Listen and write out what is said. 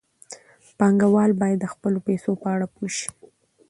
پانګوال باید د خپلو پیسو په اړه پوه شي.